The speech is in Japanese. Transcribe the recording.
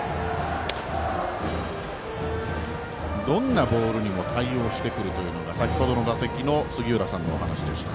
どんなボールにも対応してくるというのが先ほどの打席の杉浦さんのお話でした。